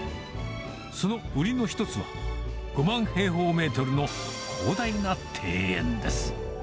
その売りの一つは、５万平方メートルの広大な庭園です。